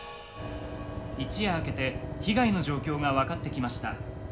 「一夜明けて被害の状況が分かってきました。